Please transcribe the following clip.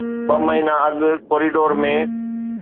ٻه مهينا اڳ ڪوريڊور ۾